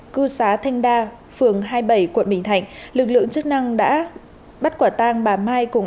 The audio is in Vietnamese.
cư xá thanh đa phường hai mươi bảy quận bình thạnh lực lượng chức năng đã bắt quả tang bà mai cùng